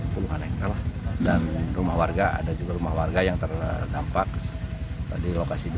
puluhan hektar dan rumah warga ada juga rumah warga yang terdampak tadi lokasi di